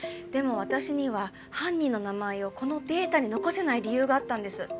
でも私には犯人の名前をこのデータに残せない理由があったんです。